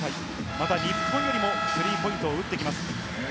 また、日本よりもスリーポイントを打ってきます。